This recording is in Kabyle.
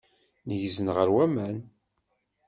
Neggzen ɣer waman.